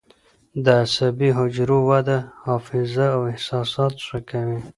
د عصبي حجرو وده حافظه او احساسات ښه کوي.